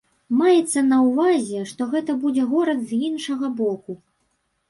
Маецца на ўвазе, што гэта будзе горад з іншага боку.